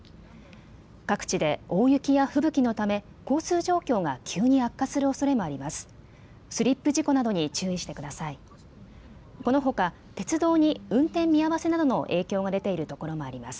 各地で大雪や吹雪のため交通状況が急に悪化するおそれもあります。